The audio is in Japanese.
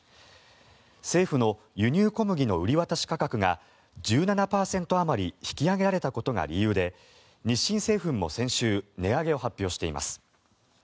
政府の輸入小麦の売り渡し価格が１７％あまり引き上げられたことが原因で日清製粉も先週値上げを発表しています。